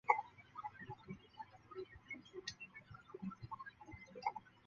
其父为木棉商人小津定利。